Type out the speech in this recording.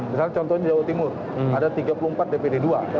misalnya contohnya di jawa timur ada tiga puluh empat dpd dua